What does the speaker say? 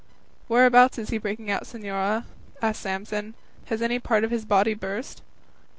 "Whereabouts is he breaking out, señora?" asked Samson; "has any part of his body burst?"